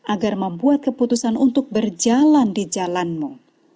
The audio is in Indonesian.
agar membuat keputusan untuk berjalan di jalanmu